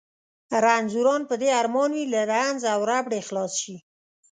رنځوران په دې ارمان وي له رنځ او ربړې خلاص شي.